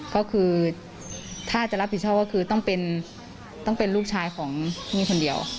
ก็คือถ้าจะรับผิดชอบก็คือต้องเป็นลูกชายของนี่คนเดียว